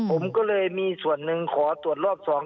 ผมก็เลยมีส่วนหนึ่งขอตรวจรอบสอง